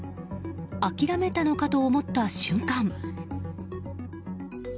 諦めたのかと思った瞬間。